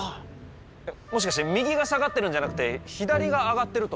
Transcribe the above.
もしかして右が下がってるんじゃなくて左が上がってると？